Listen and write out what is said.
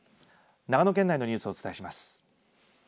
長野県内のニュースをお伝えします。